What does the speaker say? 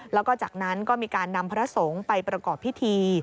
แล้วก็จากนั้นก็มีการนำพระสงฆ์ไปประกอบพิธี